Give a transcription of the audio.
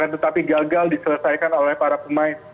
tetapi gagal diselesaikan oleh para pemain